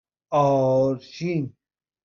اَرشین